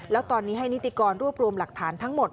แล้วตอนนี้ให้นิติกรรวบรวมหลักฐานทั้งหมด